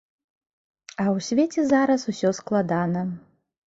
А ў свеце зараз усё складана.